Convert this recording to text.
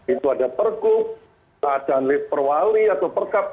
itu ada pergub tak ada perwali atau perkap